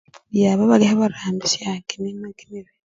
Indi aba balikhebarambisya kimima kimibi.